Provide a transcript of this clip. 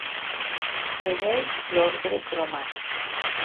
Segueix l'ordre cromàtic.